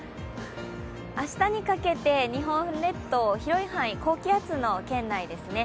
明日にかけて日本列島、広い範囲高気圧の圏内ですね。